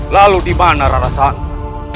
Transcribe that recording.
lalu dimana rara santan